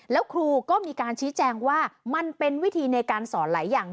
แล้วครูก็มีการชี้แจงว่ามันเป็นวิธีในการสอนหลายอย่าง